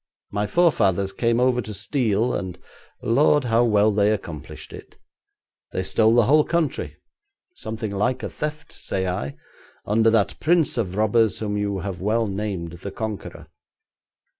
My forefathers came over to steal, and, lord! how well they accomplished it. They stole the whole country something like a theft, say I under that prince of robbers whom you have well named the Conqueror.